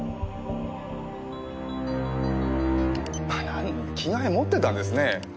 なんだ着替え持ってたんですね。